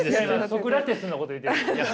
ソクラテスのこと言ってるんです。